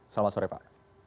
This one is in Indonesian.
selamat sore pak